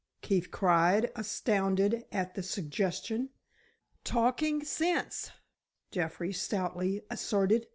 Keefe cried, astounded at the suggestion. "Talking sense," Jeffrey stoutly asserted.